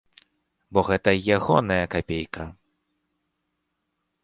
Бо гэта ягоная капейка.